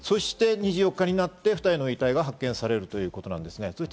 ２４日になって２人の遺体が発見されるということですね。